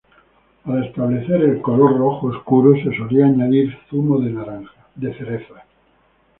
Para establecer el color rojo oscuro se solía añadir zumo de cerezas.